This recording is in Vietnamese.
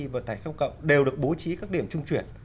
và thải không cộng đều được bố trí các điểm trung chuyển